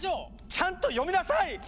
ちゃんと読みなさい！